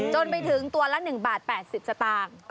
จนไปถึงตัวละ๑บาท๘๐สตางค์